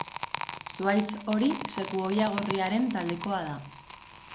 Zuhaitz hori sekuoia gorriaren taldekoa da.